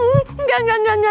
enggak enggak enggak enggak